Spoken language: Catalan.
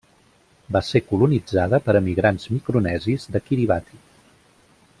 Va ser colonitzada per emigrants micronesis de Kiribati.